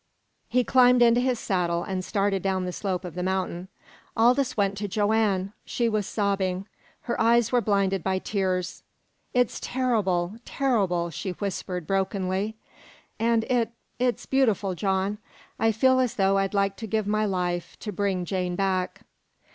He climbed into his saddle, and started down the slope of the mountain. Aldous went to Joanne. She was sobbing. Her eyes were blinded by tears. "It's terrible, terrible," she whispered brokenly. "And it it's beautiful, John. I feel as though I'd like to give my life to bring Jane back!"